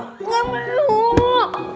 enggak mau dulu